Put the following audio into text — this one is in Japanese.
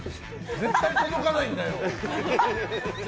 絶対届かないんだよな。